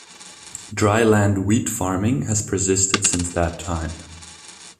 Dry land wheat farming has persisted since that time.